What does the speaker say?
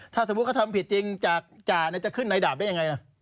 ถ้าสมมุติเขาทำผิดจริงจากจ่าจะขึ้นในดาบได้ยังไงล่ะ